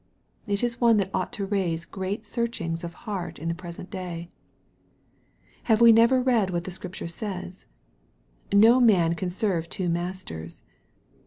It is one that ought to raise great searchings of heart in the present day. Have we never read what the Scripture says ?" No man can serve two masters."